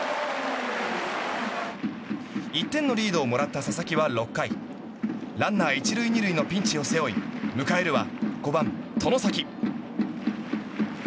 １点のリードをもらった佐々木は６回ランナー１塁２塁のピンチを背負い迎えるは５番、外崎。